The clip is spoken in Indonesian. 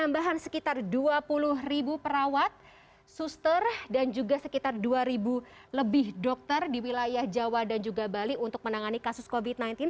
tambahan sekitar dua puluh ribu perawat suster dan juga sekitar dua lebih dokter di wilayah jawa dan juga bali untuk menangani kasus covid sembilan belas